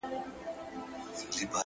ای د نشې د سمرقند او بُخارا لوري!